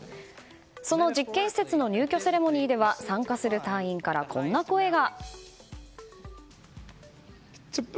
その実験施設の入居セレモニーでは参加する隊員から、こんな声が。